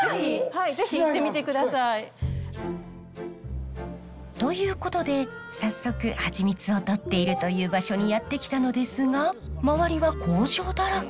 はい是非行ってみてください。ということで早速蜂蜜を採っているという場所にやって来たのですが周りは工場だらけ。